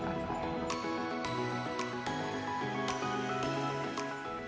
untuk membuatnya lebih baik anda harus memiliki kekuatan yang lebih baik